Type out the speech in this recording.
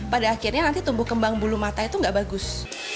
pada akhirnya nanti tumbuh kembang bulu mata itu nggak bagus